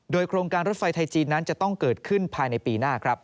โดยโครงการรถไฟไทยจีนนั้นจะต้องเกิดขึ้นภายในปีหน้าครับ